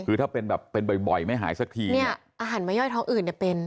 คือถ้าเป็นแบบเป็นบ่อยไม่หายสักทีอาหารไม่ย่อยเท้าอื่นคือเป็น